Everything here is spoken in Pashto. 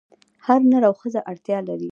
هر نر او ښځه اړتیا لري.